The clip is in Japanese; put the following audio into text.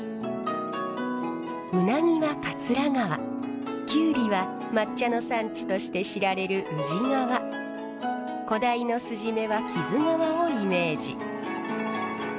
うなぎは桂川キュウリは抹茶の産地として知られる宇治川小鯛の酢締めは木津川をイメージ。